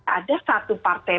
ada satu partai